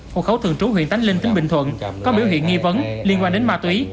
hộ khẩu thường trú huyện tánh linh tỉnh bình thuận có biểu hiện nghi vấn liên quan đến ma túy